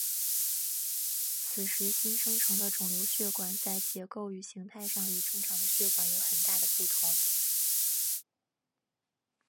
此时新生成的肿瘤血管在结构与形态上与正常的血管有很大的不同。